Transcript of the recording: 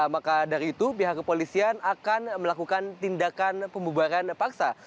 maka dari itu pihak kepolisian akan melakukan tindakan pembubaran paksa